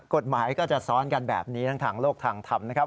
กฎหมายก็จะซ้อนกันแบบนี้ทั้งทางโลกทางธรรมนะครับ